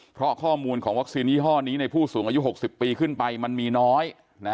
เพราะข้อมูลของวัคซีนยี่ห้อนี้ในผู้สูงอายุ๖๐ปีขึ้นไปมันมีน้อย